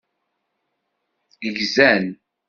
Gzan.